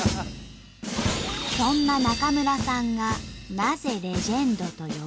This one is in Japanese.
そんな中村さんがなぜレジェンドと呼ばれるのか。